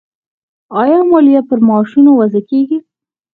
آیا مالیه پر معاشونو وضع کیږي؟